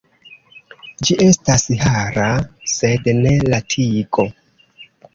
Ĝi estas hara sed ne la tigo.